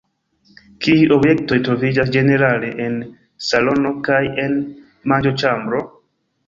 Kiuj objektoj troviĝas ĝenerale en salono kaj en manĝoĉambro?